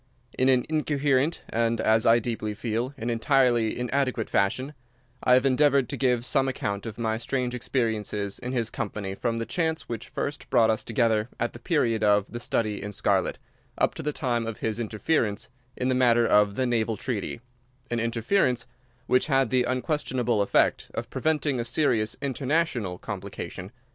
In an incoherent and, as I deeply feel, an entirely inadequate fashion, I have endeavoured to give some account of my strange experiences in his company from the chance which first brought us together at the period of the "Study in Scarlet," up to the time of his interference in the matter of the "Naval Treaty"—an interference which had the unquestionable effect of preventing a serious international complication.